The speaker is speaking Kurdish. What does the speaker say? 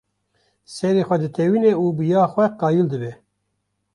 Serê xwe ditewîne û bi ya xwe qayîl dibe.